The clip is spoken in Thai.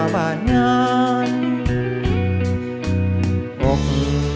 บาดง้าสมันไม่มากเถอะ